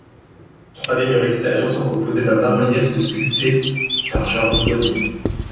Trois des murs extérieurs sont composés d'un bas-relief de sculpté par Jordi Bonet.